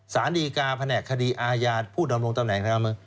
สารดีการ์แผนกคดีอาญาผู้ดำรงตำแหน่งนะครับ